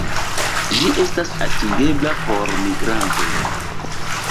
Ĝi estas atingebla por migrantoj.